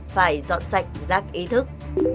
phải dọn sạch rác ý thức